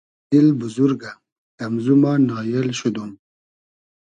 دیل بوزورگۂ امزو ما نایېل شودۉم